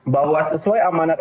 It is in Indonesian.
bahwa sesuai amanat